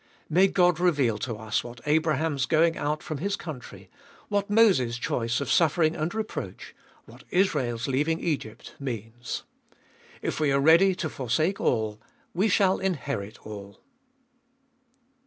3. May God reveal to us what Abraham's going out from his country, what Moses' choice of suffering and reproach, what Israel's leaving Egypt means. If we are ready to forsake all, we fhall inherit all.